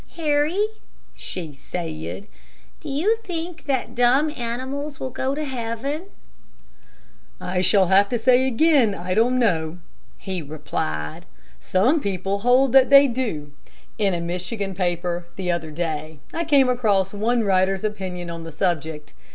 "Harry," she said, "do you think that dumb animals will go to heaven?" "I shall have to say again, I don't know," he replied. "Some people hold that they do. In a Michigan paper, the other day, I came across one writer's opinion on the subject.